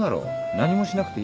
何もしなくていい。